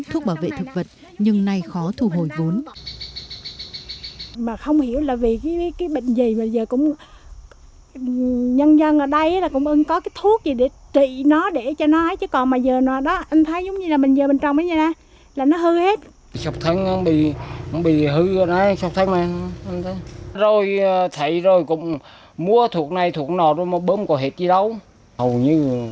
thuốc bảo vệ thực vật nhưng nay khó thu hồi vốn